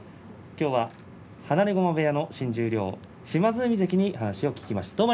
きょうは放駒部屋の新十両島津海関に話を聞きました。